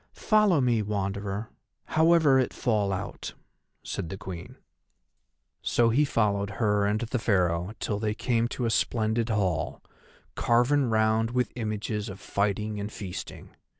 "Follow me, Wanderer, however it fall out," said the Queen. So he followed her and the Pharaoh till they came to a splendid hall, carven round with images of fighting and feasting.